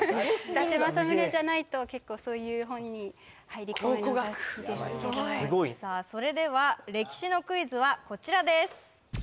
伊達政宗じゃないと結構そういう本に入り込むのが好きですけどすごいさあそれでは歴史のクイズはこちらです